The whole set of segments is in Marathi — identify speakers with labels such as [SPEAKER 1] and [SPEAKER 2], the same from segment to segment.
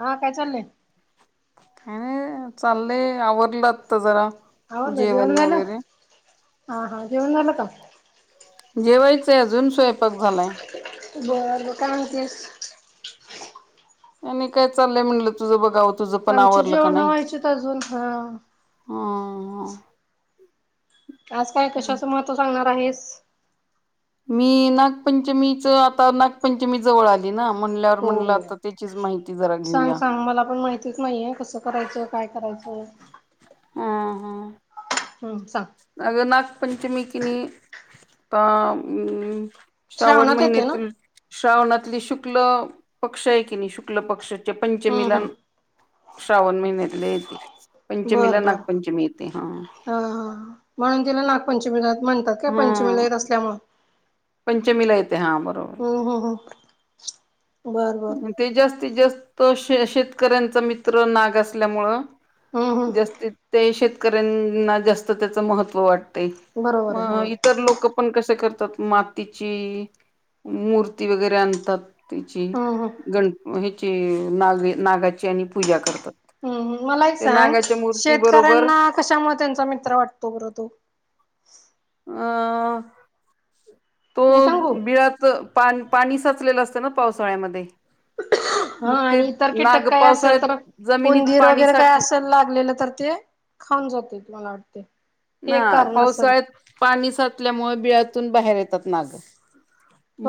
[SPEAKER 1] हा काय चाललंय
[SPEAKER 2] काही नाही चाललंय आवरलं आता जरा
[SPEAKER 1] हो का
[SPEAKER 2] जेवण
[SPEAKER 1] जेवन झाल
[SPEAKER 2] वगैरे
[SPEAKER 1] हा हा जेवन झाल का
[SPEAKER 2] जेवायचंय अजून स्वयंपाक झाला आता
[SPEAKER 1] बर बर काय म्हणतेस
[SPEAKER 2] आणि काय चाललंय म्हणलं तुझं बघाव तुझं पण
[SPEAKER 1] आमची
[SPEAKER 2] आवरलं का
[SPEAKER 1] जेवण
[SPEAKER 2] नाही
[SPEAKER 1] व्हायचीत अजून हा
[SPEAKER 2] ह ह
[SPEAKER 1] आज काय कशाचं महत्त्व सांगणार आहेस
[SPEAKER 2] मी नागपंचमीच आता नागपंचमी जवळ आली ना म्हणल्यावर म्हणलं
[SPEAKER 1] हो.
[SPEAKER 2] आता त्याचीच माहिती जरा
[SPEAKER 1] सांग
[SPEAKER 2] घेऊया
[SPEAKER 1] सांग मला पण माहितीच नाहीये कसं करायचं काय करायचं हम्म सांग.
[SPEAKER 2] अग नागपंचमी किनई आ अ श्रावण
[SPEAKER 1] श्रावणात येते ना
[SPEAKER 2] महिन्यातील श्रावणातली शुक्ल पक्ष आहे की नाही शुक्ल पक्ष च्या
[SPEAKER 1] हम्म
[SPEAKER 2] पंचमीला
[SPEAKER 1] हम्म
[SPEAKER 2] श्रावण महिन्यातल्या येते पंचमीला
[SPEAKER 1] बरं बरं
[SPEAKER 2] नागपंचमी येते हा
[SPEAKER 1] हा हा. म्हणून तिला नागपंचमी म्हणतात काय पंचमीला
[SPEAKER 2] हा
[SPEAKER 1] येत असल्यामुळे
[SPEAKER 2] पंचमीला येतोय हा बरोबर
[SPEAKER 1] ह
[SPEAKER 2] ते जास्तीत जास्त श शेतकऱ्यांचा मित्र नाग असल्यामुळं
[SPEAKER 1] हम्म हम्म
[SPEAKER 2] जास्तीत ते शेतकऱ्यांना जास्त त्याच महत्व वाटतं य
[SPEAKER 1] बरोबर आहे
[SPEAKER 2] मग
[SPEAKER 1] होय.
[SPEAKER 2] इतर लोक पण कसं कर तात मातीची मूर्ती वगैरे आणतात तिची
[SPEAKER 1] हम्म हम्म.
[SPEAKER 2] ग ह्याची नाग नागाची आणि पूजा करतात
[SPEAKER 1] ह ह मला एक
[SPEAKER 2] ते
[SPEAKER 1] सांग
[SPEAKER 2] नागाच्या मूर्ती बरोबर
[SPEAKER 1] शेतकऱ्यांना कशामुळे त्यांचा मित्र वाटतो बरं तो
[SPEAKER 2] अ तो
[SPEAKER 1] मी सांगू
[SPEAKER 2] बिळात पा पाणी साचलेलं असतं ना पावसाळ्यामध्ये
[SPEAKER 1] हा
[SPEAKER 2] मग ते
[SPEAKER 1] आणि इतर
[SPEAKER 2] नाग
[SPEAKER 1] कीटक काय असेल
[SPEAKER 2] पावसाळ्यात
[SPEAKER 1] तर
[SPEAKER 2] जमिनीत
[SPEAKER 1] उंदीर
[SPEAKER 2] पाणी
[SPEAKER 1] वगैरे काय
[SPEAKER 2] साठ
[SPEAKER 1] असेल लागलेलं तर ते खावून जातेत मग ते
[SPEAKER 2] ना पावसाळ्यात पा णी साटल्यामुळे बिळातून बाहेर येतात मागं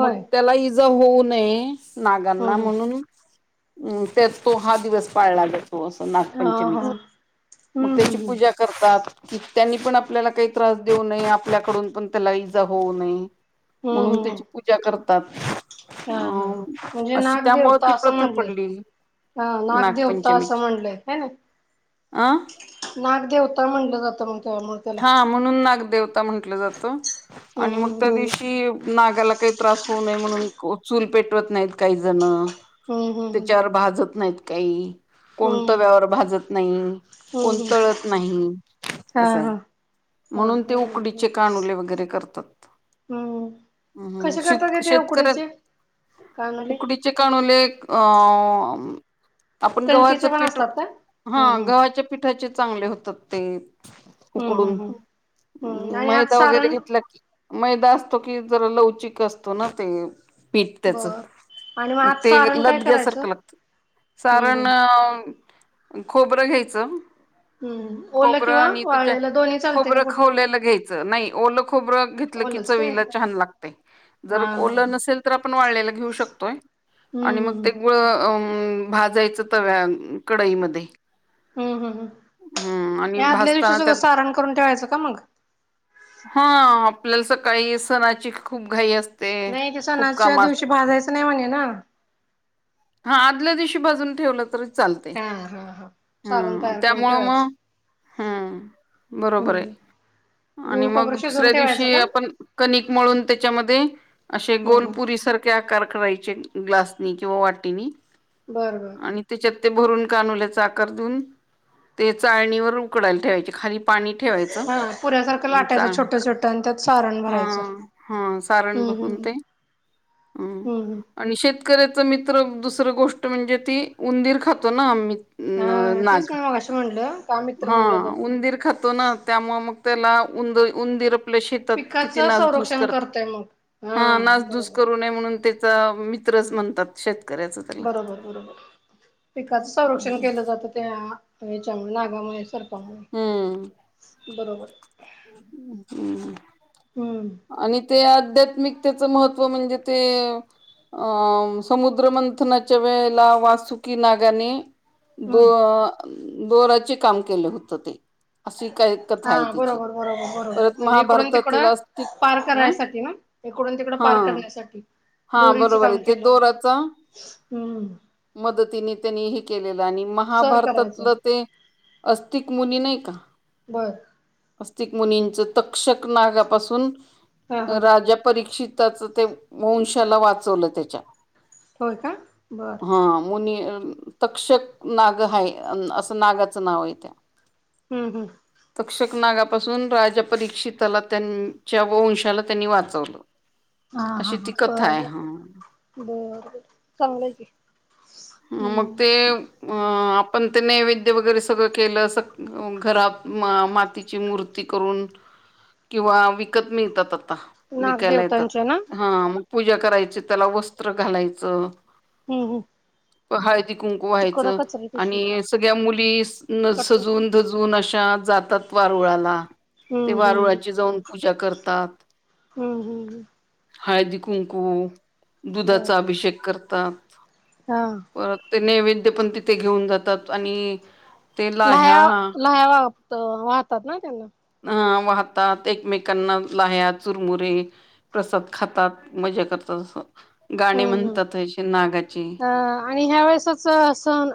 [SPEAKER 2] मग तेला हि इ जा होऊ नये
[SPEAKER 1] हम्
[SPEAKER 2] नागांना
[SPEAKER 1] हम
[SPEAKER 2] म्हणून तर तो हा दिवस पाळला जा तो असं
[SPEAKER 1] हा
[SPEAKER 2] नागपंचमीच
[SPEAKER 1] हा
[SPEAKER 2] मग
[SPEAKER 1] हम्म
[SPEAKER 2] त्याची
[SPEAKER 1] हम्म
[SPEAKER 2] पूजा करतात कि त्यांनी पण आपल्याला काही त्रास देऊ नये आपल्याकडून पण त्याला इजा होऊ नये
[SPEAKER 1] हम्म
[SPEAKER 2] म्हणून
[SPEAKER 1] हम्म
[SPEAKER 2] त्याची
[SPEAKER 1] हम्
[SPEAKER 2] पूजा करतात
[SPEAKER 1] हा हा
[SPEAKER 2] आ
[SPEAKER 1] म्हणजे
[SPEAKER 2] अशी त्यामुळ ती
[SPEAKER 1] नागदेवता असं
[SPEAKER 2] प्रथा
[SPEAKER 1] म्हणलंय
[SPEAKER 2] पडली
[SPEAKER 1] हा नागदेवता असं
[SPEAKER 2] नागपंचमीची
[SPEAKER 1] म्हणलय हनी
[SPEAKER 2] अ
[SPEAKER 1] नाग देेवता म्हणलं जातं म्हण
[SPEAKER 2] हा म्हणून नागदेवता म्हंटलं जातं आणि
[SPEAKER 1] हम्म
[SPEAKER 2] मग त्या दिवशी नागाला काही त्र होऊ म्हण चूल पेटवत नाहीत काही जण
[SPEAKER 1] हम्म हम्म
[SPEAKER 2] त्याच्यावर भाजत नाही काही
[SPEAKER 1] हम्म
[SPEAKER 2] कोण
[SPEAKER 1] हम्म हम्म
[SPEAKER 2] तव्यावर भाजत नाही
[SPEAKER 1] हम्म
[SPEAKER 2] कोण
[SPEAKER 1] हम्म
[SPEAKER 2] तळत नाही
[SPEAKER 1] हा हा
[SPEAKER 2] असं आहे
[SPEAKER 1] हा
[SPEAKER 2] म्हणून ते
[SPEAKER 1] हा
[SPEAKER 2] उकडीचे कान उले वगैरे करतात
[SPEAKER 1] हम्म
[SPEAKER 2] हम्म्
[SPEAKER 1] कसे
[SPEAKER 2] शेत
[SPEAKER 1] करतात ते ते
[SPEAKER 2] शेतकऱ्या
[SPEAKER 1] उकडीचे काय म्हणाले
[SPEAKER 2] उकडीचे काणूले अ आपण गव्हाचं
[SPEAKER 1] कणकेचे पण
[SPEAKER 2] पीठ
[SPEAKER 1] असतात का
[SPEAKER 2] हा
[SPEAKER 1] हम्म हम्म
[SPEAKER 2] गव्हाच्या पिठाचे चांगले होतात ते
[SPEAKER 1] हम्म हम्म
[SPEAKER 2] उकडून
[SPEAKER 1] हम्म हम्म आणि आत
[SPEAKER 2] मैदा वगैरे
[SPEAKER 1] सारण
[SPEAKER 2] घेतला की मैदा असतो की जर लवचिक असतो ना ते पीठ त्याचं
[SPEAKER 1] बर आणि
[SPEAKER 2] मग
[SPEAKER 1] आत
[SPEAKER 2] ते
[SPEAKER 1] सारण काय
[SPEAKER 2] लथ
[SPEAKER 1] करायचं
[SPEAKER 2] घ्यासारखं लागतं
[SPEAKER 1] हम्म हम्म
[SPEAKER 2] कारारण खोबरं घ्यायचं
[SPEAKER 1] हम् ओला
[SPEAKER 2] खोबरं
[SPEAKER 1] किंवा
[SPEAKER 2] आणि त्याच्या
[SPEAKER 1] वाळ्याला
[SPEAKER 2] खोबरं खावल्याला घ्यायचं नाही ओलं खोबरं घेतलं की
[SPEAKER 1] ओलच काय
[SPEAKER 2] चवीला
[SPEAKER 1] हा
[SPEAKER 2] छान लागते जर
[SPEAKER 1] हा
[SPEAKER 2] ओलं
[SPEAKER 1] हा
[SPEAKER 2] नसेल तर आपण वाळलेला घेऊ शकतोय आणि
[SPEAKER 1] हम्म
[SPEAKER 2] मग
[SPEAKER 1] हम्म
[SPEAKER 2] ते गुळ अम भाजायचं तव्या कडाईमध्ये
[SPEAKER 1] हम्म हम् हम या आदल्या दिवशी
[SPEAKER 2] भाजताना
[SPEAKER 1] सुधं
[SPEAKER 2] त्यात
[SPEAKER 1] सारण करून ठेवायचं का मग
[SPEAKER 2] हा आपल्याला सकाळी सणाची खूप घाई असते
[SPEAKER 1] नाही ते
[SPEAKER 2] खूप
[SPEAKER 1] सणाच्या
[SPEAKER 2] काम असत
[SPEAKER 1] दिवशी भाजायचं नाही म्हणे ना
[SPEAKER 2] हा आदल्या दिवशी भाजून ठेवलं तरी चालते
[SPEAKER 1] हा हा हा सारण
[SPEAKER 2] ह
[SPEAKER 1] तयार करून
[SPEAKER 2] त्यामुळं
[SPEAKER 1] ठेवायचं
[SPEAKER 2] मग हम्म बरोबर आहे
[SPEAKER 1] हम्म
[SPEAKER 2] आणि
[SPEAKER 1] गुळ
[SPEAKER 2] मग
[SPEAKER 1] खोबरं शिजवून
[SPEAKER 2] दुसऱ्या
[SPEAKER 1] ठेवायचं
[SPEAKER 2] दिवशी
[SPEAKER 1] का?
[SPEAKER 2] आपण कणिक मळून त्याच्यामध्ये असे
[SPEAKER 1] हं हं
[SPEAKER 2] गोलपुरी सारख्या आकार करायचे ग्लास किंवा वाटीनी
[SPEAKER 1] बरं बर
[SPEAKER 2] आणि त्याच्यात भरून कानूकर देऊन ते चाळणीवर उकडायला ठेवायचे खाली पाणी ठेवायच
[SPEAKER 1] हा पुऱ्यासारखं
[SPEAKER 2] आणि
[SPEAKER 1] लाटायचं
[SPEAKER 2] चा
[SPEAKER 1] छोटं छोटं आणि त्यात सारण भरायचं. हम्म
[SPEAKER 2] सण ून
[SPEAKER 1] हम्म
[SPEAKER 2] ते
[SPEAKER 1] हम्म हम्म.
[SPEAKER 2] आणि शेतकऱ्याच मित दुसर गोष्ट म्हणजे ती उंदीर खातो ना आम्ही अ
[SPEAKER 1] हा तेच
[SPEAKER 2] नाग
[SPEAKER 1] मी मगाशी म्हणलं का मित्र
[SPEAKER 2] हा
[SPEAKER 1] म्हणला जातो.
[SPEAKER 2] उंदीर खातो ना त्यामु मग ला उ उंदिर आपल्या शेतात किती
[SPEAKER 1] पिकाचं
[SPEAKER 2] नाचधूस
[SPEAKER 1] संरक्षण
[SPEAKER 2] करत
[SPEAKER 1] करतय मग
[SPEAKER 2] हा नासधूस
[SPEAKER 1] बरोबर.
[SPEAKER 2] करू नये म्हणून ते मित्रच म्हणतात श
[SPEAKER 1] बरोबर बरोबर पिकाचं संरक्षण केलं जातं त्या याच्यामुळे नागामुळे सर्पामुळे बरोबर
[SPEAKER 2] हम्
[SPEAKER 1] हम्म
[SPEAKER 2] आणि ते आ आध्यात्मिकतेचं महत्व म्हणजे ते अं समुद्रमंथनाच्या वेळेला वासुकी नागाने दो
[SPEAKER 1] हम्म.
[SPEAKER 2] दोराचे काम केलं होतं ते अशी काय कथा
[SPEAKER 1] हा
[SPEAKER 2] आहे त्यािची
[SPEAKER 1] बरोबर बरोबर बरोबर म्हणजे इकडून तिकडं
[SPEAKER 2] अस्तिक
[SPEAKER 1] पार
[SPEAKER 2] अ
[SPEAKER 1] करायसाठी ना इकडून तिकडं
[SPEAKER 2] हा
[SPEAKER 1] पार करण्यासाठी
[SPEAKER 2] हा
[SPEAKER 1] दोरीचं
[SPEAKER 2] बरोबर
[SPEAKER 1] काम
[SPEAKER 2] आहे ते
[SPEAKER 1] केलं होतं
[SPEAKER 2] दोराचा
[SPEAKER 1] हम्म
[SPEAKER 2] ने त्यांनी हे केलेलं आणि
[SPEAKER 1] सर करायचं
[SPEAKER 2] महाभारतातलं ते अस्तिक मुनी नाही का
[SPEAKER 1] बर
[SPEAKER 2] मस्तिक मुनींच तक्षक नागापासून
[SPEAKER 1] हा हा
[SPEAKER 2] राजा परीक्षिताच ते मंशाला वाचवलं त्याच्या
[SPEAKER 1] होय का बर
[SPEAKER 2] हा मुनी तक्षक नाग हा असं नागाचं नाव आहे त्या
[SPEAKER 1] हम्म हम्म
[SPEAKER 2] पासून राजा परीक्षला त्यांच्या व वंशाला त्यांनी वाचवलं
[SPEAKER 1] ह ह
[SPEAKER 2] अशी
[SPEAKER 1] ह
[SPEAKER 2] ती कथा
[SPEAKER 1] बर
[SPEAKER 2] आहे
[SPEAKER 1] बर
[SPEAKER 2] हा
[SPEAKER 1] बर बर चांगलंय की
[SPEAKER 2] मग
[SPEAKER 1] हम्म
[SPEAKER 2] ते अ पण ते नैवेद्य वगैरे सगळं केलं स घरात मातीची मूर्ती करून किंवा विकत मिळतात आता विकायला
[SPEAKER 1] नागदेवतांच्या ना
[SPEAKER 2] येतात हा मग पूजा करायची त्याला वस्त्र घालायचं
[SPEAKER 1] हो हो
[SPEAKER 2] हळती कुंकू व्हायचं
[SPEAKER 1] पिशवी
[SPEAKER 2] आणि सगळ्या मुली
[SPEAKER 1] कट्टे
[SPEAKER 2] सजून जून अ जातात वारुळाला ते
[SPEAKER 1] हम्म हम्म
[SPEAKER 2] वारुळाची जाऊन पूजा करतात
[SPEAKER 1] हम्म, हम्म, ह्
[SPEAKER 2] हळदी, कुंकू,
[SPEAKER 1] बर
[SPEAKER 2] दुधाचा अभिषेक करतात.
[SPEAKER 1] हा.
[SPEAKER 2] नैवेद पण तिथे घेऊन जातात. आणि ते
[SPEAKER 1] लाया,
[SPEAKER 2] लाह्या
[SPEAKER 1] लाया, वाहतात ना? त्यांना
[SPEAKER 2] ह वाहतात. एकमेकांना लया चुरमुरे प्रसाद खातात. मजा करतात. असं गाणे
[SPEAKER 1] हम्म हम्म
[SPEAKER 2] म्हणतात. नागाची
[SPEAKER 1] अ आणि ह्या वेळेसच सण,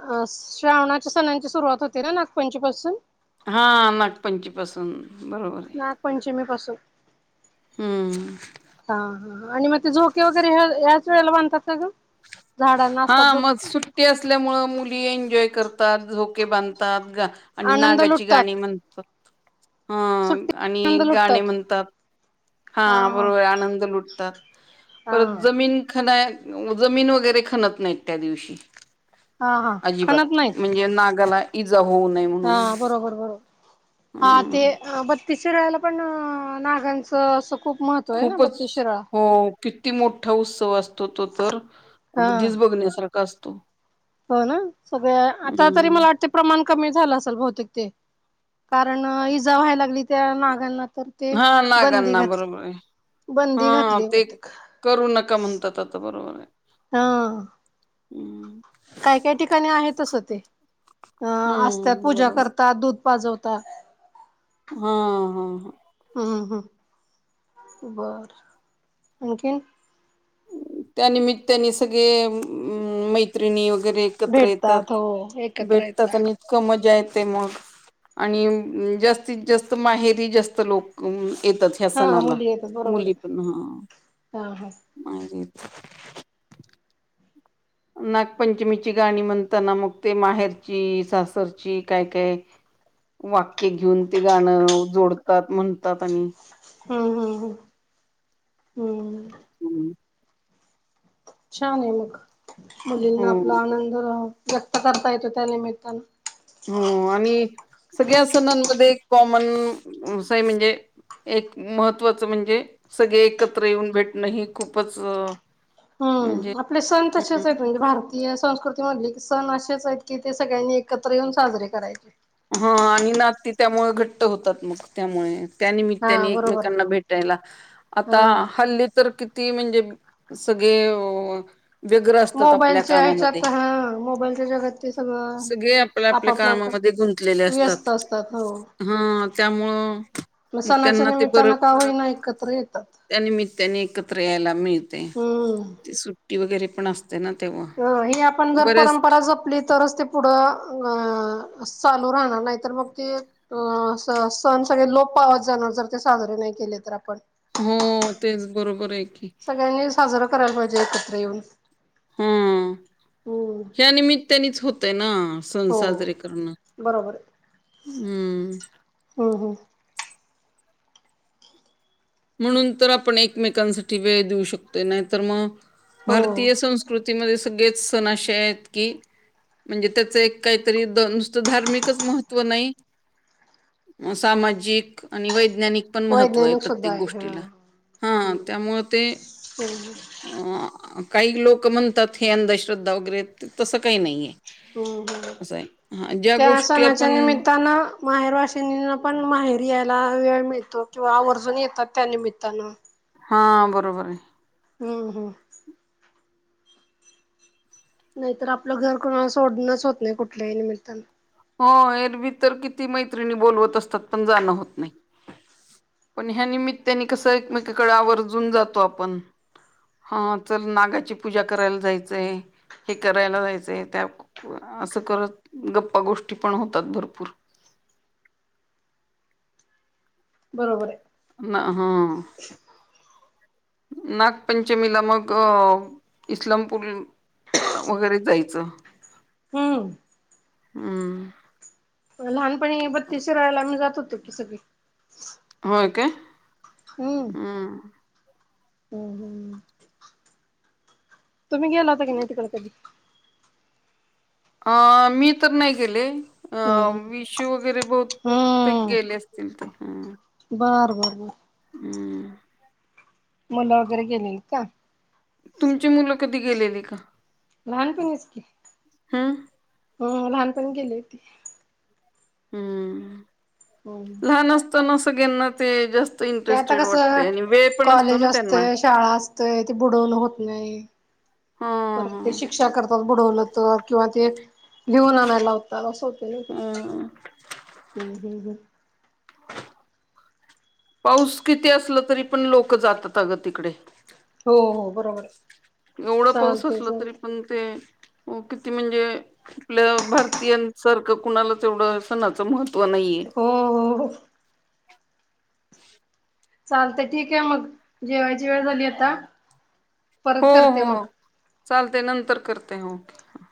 [SPEAKER 1] श्रावणाच्या सणांची सुरुवात होते ना? नागपंचमीपासून
[SPEAKER 2] हा नागपंचीपसून
[SPEAKER 1] नागपंचमी पासून
[SPEAKER 2] ह.
[SPEAKER 1] हा, हा, आणि मग ते झोके वगैरे ह्याच वेळेला बांधतात का ग? झाडांना
[SPEAKER 2] हा
[SPEAKER 1] असतात बघ
[SPEAKER 2] मग सुट्टी असल्यामुळे, मुली एन्जॉय करतात. झोके बांधतात. आणि
[SPEAKER 1] आनंद
[SPEAKER 2] नागाची
[SPEAKER 1] लुटतात
[SPEAKER 2] गाणी म्हणतो. हा
[SPEAKER 1] सुट्टी
[SPEAKER 2] आणि
[SPEAKER 1] आनंद
[SPEAKER 2] गाणे
[SPEAKER 1] लुटतात
[SPEAKER 2] म्हणतात. हा बरोबर आनंद लुटतात.
[SPEAKER 1] हा
[SPEAKER 2] पर जमीन जमीन वगैरे खणत नाहीत, त्या दिवशी
[SPEAKER 1] हा हा
[SPEAKER 2] अजिबात
[SPEAKER 1] खणत नाहीत
[SPEAKER 2] म्हणजे नागाला इजा होऊ नये
[SPEAKER 1] हा
[SPEAKER 2] म्हणून
[SPEAKER 1] बरोबर, बरोबर, हा
[SPEAKER 2] हम्म.
[SPEAKER 1] ते तिसरायला पण नागांचं असं खूप [unintelligible] ना
[SPEAKER 2] खूपच,
[SPEAKER 1] बत्तीस शिराळा
[SPEAKER 2] हो किती मोठा उत्सव असतो तो तर
[SPEAKER 1] हा
[SPEAKER 2] अगदीच बघण्यासारखा असतो.
[SPEAKER 1] हो ना, सगळे आता तरी मला
[SPEAKER 2] हम्म
[SPEAKER 1] वाटते प्रमाण कमी झालं असेल? बहुतेक ते कारण इजा व्हायला लागली, त्या नागांना तर ते
[SPEAKER 2] हा
[SPEAKER 1] बंदी
[SPEAKER 2] नागांना
[SPEAKER 1] घातले.
[SPEAKER 2] बरोबर आहे
[SPEAKER 1] बंदी
[SPEAKER 2] हा
[SPEAKER 1] घातली
[SPEAKER 2] ते
[SPEAKER 1] होते.
[SPEAKER 2] करू नका म्हणतात आता बरोबर आहे
[SPEAKER 1] हा
[SPEAKER 2] हम्म
[SPEAKER 1] काय काय ठिकाणी आहेत. अस ते अ असत्यात
[SPEAKER 2] हम्म
[SPEAKER 1] पूजा
[SPEAKER 2] बरोबर
[SPEAKER 1] करतात दूध वाजवता.
[SPEAKER 2] हा, हा, ह
[SPEAKER 1] बर, आणखीन
[SPEAKER 2] त्यानिमित्ताने त्यानिमित्ताने, सगळे मैत्रिणी व वगैरे एकत्र येतात.
[SPEAKER 1] भेटतात हो एकत्र
[SPEAKER 2] भेटतात आणि
[SPEAKER 1] येतात
[SPEAKER 2] इतक मजा येत ते मग, आणि जास्तीत जास्त माहेरी जास्त लोक येतात ह्या
[SPEAKER 1] हा
[SPEAKER 2] सणाला,
[SPEAKER 1] मुली येतात बरोबर
[SPEAKER 2] मुली
[SPEAKER 1] आहे
[SPEAKER 2] पण हा
[SPEAKER 1] हा हा
[SPEAKER 2] मा नागपंचमीची गाणी म्हणताना, मग ते माहेरची, सासरची, काय काय वाक्य घेऊन ते गाणं जोडतात, म्हणतात, आणि
[SPEAKER 1] हम्, हम, हम, हम्म..
[SPEAKER 2] हम् [inaudible]
[SPEAKER 1] छान आहे मग, मुलींना आपला
[SPEAKER 2] हो
[SPEAKER 1] आनंद राहा व्यक्त करता येतो. त्या निमित्तान
[SPEAKER 2] हो आणि सगळ्या सणांमध्ये कॉमन अस आहे. म्हणजे? एक महत्त्वाचं म्हणजे, सगळे एकत्र येऊन भेटणं ही खूपच म्हणजे
[SPEAKER 1] हम्म, आपले सण तसेच आहेत म्हणजे भारतीय संस्कृतीमधले सण असेच आहेत, की ते सगळ्यांनी एकत्र येऊन साजरे करायचे.
[SPEAKER 2] हा आणि नाती त्यामुळे घट्ट होतात. मग त्यामुळे
[SPEAKER 1] हा
[SPEAKER 2] त्यानमित्ताने
[SPEAKER 1] बरोबर
[SPEAKER 2] एकमेकांना
[SPEAKER 1] आहे.
[SPEAKER 2] भेटायला, आता
[SPEAKER 1] हा.
[SPEAKER 2] हल्ली तर क ती म्हणजे सगळे अ व्यग्र असतात आपल्या
[SPEAKER 1] मोबाईलच्या
[SPEAKER 2] कामामध्ये,
[SPEAKER 1] ह्याच्यात हा मोबाईलच्या जगात ते सगळं
[SPEAKER 2] सगळे आपल्या आपल्या
[SPEAKER 1] आपापल्या
[SPEAKER 2] कामामध्ये गुंतले असतात. ह त्यामु
[SPEAKER 1] म सणाच्या निमित्तानं का होईना एकत्र येतात.
[SPEAKER 2] त्यानिमित्ताने एकत्र यायला मिळते
[SPEAKER 1] हम्म
[SPEAKER 2] ते सुट्टी वगैरे पण असते ना तेव्हा
[SPEAKER 1] अ ह आपण जर
[SPEAKER 2] बरेच
[SPEAKER 1] परंपरा जपली तरच ते पुढं अ चालू राहणार नाही तर मग ते अ सण सगळे लोप पावत जाणार जर ते साजरे नाही केले तर आपण
[SPEAKER 2] हो तेच बरोबर आहे की
[SPEAKER 1] सगळ्यांनी साजरां करायला पाहिजे एकत्र येऊन
[SPEAKER 2] हम्म
[SPEAKER 1] हम्म
[SPEAKER 2] ह्या निमित्तानेच होतय ना सण
[SPEAKER 1] हो
[SPEAKER 2] साजरे करणं
[SPEAKER 1] बरोबर आहे.
[SPEAKER 2] हम्म
[SPEAKER 1] हम्म हम्म
[SPEAKER 2] म्हणून तर आपण एकमेकांसाठी वेळ देऊ शकतो नाही तर मग
[SPEAKER 1] हो
[SPEAKER 2] भारतीय संस्कृती सगळेच सण अे आहेत की म्हणजे त्याचं एक काहीतरी नुसतं धार्मिकच महत्त्व नाही सामाजिक आणि वैज्ञानिक पण महत्व आहे
[SPEAKER 1] वैज्ञानिक
[SPEAKER 2] प्रते
[SPEAKER 1] सुद्धा
[SPEAKER 2] प्रत्येक
[SPEAKER 1] हा
[SPEAKER 2] गोष्टीला हा
[SPEAKER 1] हम्म.
[SPEAKER 2] त्यामु ते
[SPEAKER 1] हम्म
[SPEAKER 2] अ काही लोक म्हणतात हे अंधश्रद्धा वगैरे तसं काही नाहीये
[SPEAKER 1] हम्म ह
[SPEAKER 2] असं आहे. हां, ज्या
[SPEAKER 1] त्या
[SPEAKER 2] गोष्टी
[SPEAKER 1] सणाच्या
[SPEAKER 2] आपण
[SPEAKER 1] निमित्तानं माहेर वाशिनीना पण माहेर यायला वेळ मि येतो किंवा आवर्जून येतात त्या निमित्तानं
[SPEAKER 2] हा बरोबर आहे
[SPEAKER 1] हम हा नाहीतर आपलं घर कोणा सोडणच होत नाही कुठल्याही निमित्तानं
[SPEAKER 2] हो एरवीी तर किती मैत्रिणी बोलवत असतात पण जाणं होत नाही पण ह्या निमित्ताने कस एकमेककडे आवर्जून जातो आपण हा च नागाची पूजा करायला जायचंय हे करायला जायचंय त्या असं करत गप्पा गोष्टी पण होतात भरपूर
[SPEAKER 1] बरोबर आहे
[SPEAKER 2] ना ह नागपंचमीला मग अ इस्लामपूर वगैरेच जायचं
[SPEAKER 1] हम्म
[SPEAKER 2] हम्म
[SPEAKER 1] लहानपणी बत्तीस श रायला आम्ही जात होतो की सगळे
[SPEAKER 2] हो काे
[SPEAKER 1] हम्म हम हम् तुम्ही गेला होता की नाही तिकड ती
[SPEAKER 2] अ मी तर नाही गेले अं
[SPEAKER 1] हम्म.
[SPEAKER 2] विशू वगैरे बहत
[SPEAKER 1] हम्म
[SPEAKER 2] गेले असतील ते
[SPEAKER 1] बर बर बर
[SPEAKER 2] हम्म
[SPEAKER 1] मुलं वगैरे गेले का
[SPEAKER 2] तुमची मुलं कधी गेलेली का
[SPEAKER 1] लहानपणच की
[SPEAKER 2] हम्म
[SPEAKER 1] हम लहानपण गेले होती
[SPEAKER 2] हम्म
[SPEAKER 1] हम्म
[SPEAKER 2] लहान असत ना सग्यांना ते जास्त
[SPEAKER 1] ते आता
[SPEAKER 2] इंटरेटड वाट
[SPEAKER 1] कसं कॉलेज असतेय शाळा असते ती बुडवून होत नाही
[SPEAKER 2] ह
[SPEAKER 1] परत ते
[SPEAKER 2] ह
[SPEAKER 1] शिक्षा करतात बुडवलं तर किंवा ते घेऊन आणायलावत असं होत ना ते
[SPEAKER 2] ह
[SPEAKER 1] हम् हम् हम्
[SPEAKER 2] पाऊस किती असलं तरी पण लोक जातात अगं तिकडे
[SPEAKER 1] हो हो बरोबर आहे
[SPEAKER 2] एवढं पाऊस
[SPEAKER 1] चालते
[SPEAKER 2] असल तरी
[SPEAKER 1] चालते
[SPEAKER 2] पण ते हो किती म्हणजे आपल्या भारतीयांसारखं कुणालाच एवढं सणाचं महत्व त नाही
[SPEAKER 1] हो हो
[SPEAKER 2] आहे
[SPEAKER 1] चालत ठीक आहे मग जेवायची वेळ झाली आता
[SPEAKER 2] हो
[SPEAKER 1] परत करते
[SPEAKER 2] हो
[SPEAKER 1] मग
[SPEAKER 2] चालते नंतर करते के